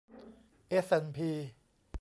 เอสแอนด์พี